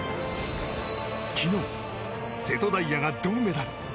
昨日、瀬戸大也が銅メダル！